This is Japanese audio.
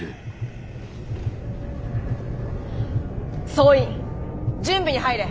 総員準備に入れ。